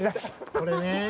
これねー。